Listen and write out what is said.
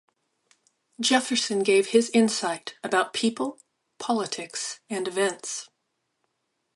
Jefferson gave his insight about people, politics, and events.